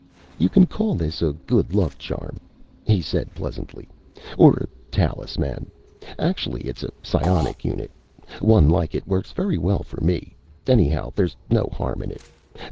"You can call this a good luck charm," he said pleasantly, "or a talisman. Actually it's a psionic unit. One like it works very well, for me. Anyhow there's no harm in it.